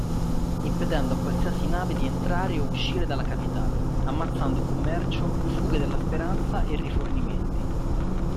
Impedendo a qualsiasi nave di entrare o uscire dalla capitale, ammazzando commercio, fughe della speranza e rifornimenti.